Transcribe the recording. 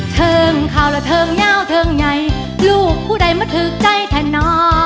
เทิงขาวแล้วเทิงยาวเทิงใหญ่ลูกผู้ใดมันถึกใจแทนอ